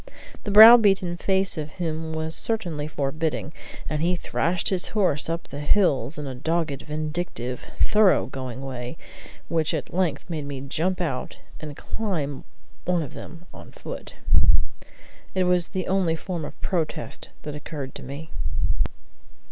The brow beaten face of him was certainly forbidding, and he thrashed his horse up the hills in a dogged, vindictive, thorough going way which at length made me jump out and climb one of them on foot. It was the only form of protest that occurred to me.